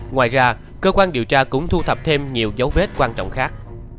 ngoài ra cơ quan điều tra cũng thu thập thêm nhiều dấu vết quan trọng khác